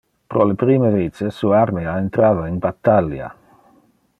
Pro le prime vice, su armea entrava in battalia.